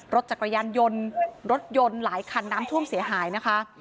รถจักรยานยนต์รถยนต์หลายคันน้ำท่วมเสียหายนะคะ